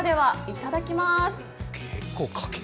いただきまーす。